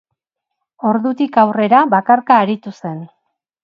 Ordutik aurrera bakarka aritu zen.